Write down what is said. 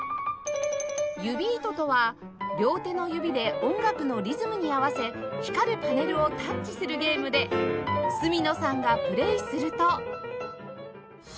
ユビートとは両手の指で音楽のリズムに合わせ光るパネルをタッチするゲームで角野さんがプレーすると